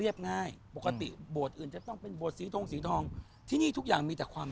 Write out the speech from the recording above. เนี่ยจะถูกดีครับ